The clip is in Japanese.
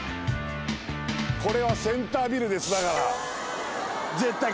これはセンタービルですだから。